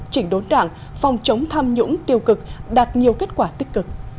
chỉ đốn rạng phòng chống tham nhũng tiêu cực đạt nhiều kết quả tích cực